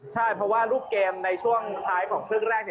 ใช่เพราะว่ารูปเกมในช่วงท้ายของครึ่งแรก